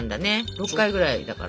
６回ぐらいだから。